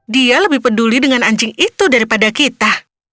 dia lebih peduli dengan anjing itu daripada kita